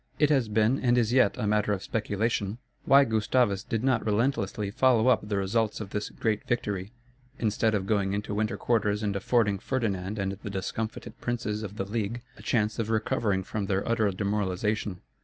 It has been and is yet a matter of speculation, why Gustavus did not relentlessly follow up the results of this great victory, instead of going into winter quarters and affording Ferdinand and the discomfited princes of the League a chance of recovering from their utter demoralization.